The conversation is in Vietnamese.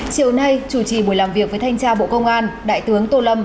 chiều nay chủ trì buổi làm việc với thanh tra bộ công an đại tướng tô lâm